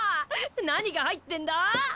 なにが入ってんだ！？